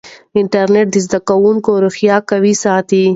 انټرنیټ د زده کوونکو روحیه قوي ساتي.